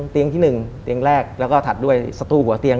เตียงที่๑เตียงแรกแล้วก็ถัดด้วยสตู้หัวเตียง